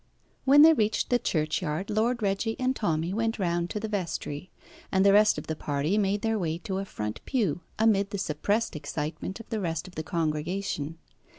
When they reached the churchyard Lord Reggie and Tommy went round to the vestry, and the rest of the party made their way to a front pew, amid the suppressed excitement of the rest of the congregation.